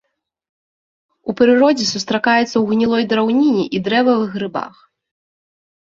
У прыродзе сустракаецца ў гнілой драўніне і дрэвавых грыбах.